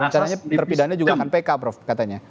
caranya terpidana juga akan pk prof katanya